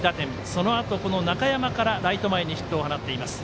そのあと、中山からライト前にヒットを放っています。